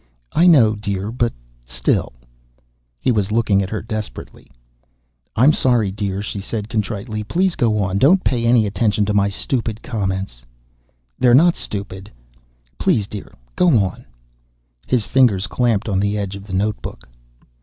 "I know, dear, but still " He was looking at her desperately. "I'm sorry, dear!" she said contritely. "Please go on. Don't pay any attention to my stupid comments." "They're not stupid " "Please, dear. Go on." His fingers clamped on the edge of the notebook.